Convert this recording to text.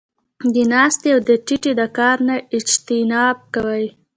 د ناستې او د ټيټې د کار نۀ اجتناب کوي -